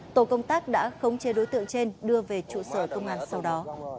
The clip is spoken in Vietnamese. tổ công tác đã không chê đối tượng trên đưa về trụ sở công an sau đó